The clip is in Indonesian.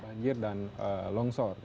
banjir dan longsor